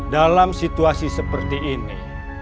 dalam situasi seperti ini